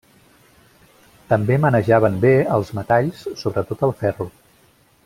També manejaven bé els metalls, sobretot el ferro.